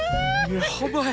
やばい。